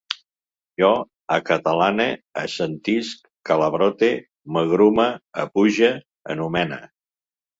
Jo acatalane, assentisc, calabrote, m'agrume, apuge, anomene